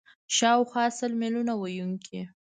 شاوخوا سل میلیونه ویونکي